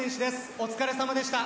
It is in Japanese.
お疲れさまでした。